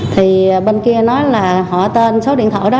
thì bên kia nói là họ tên số điện thoại đó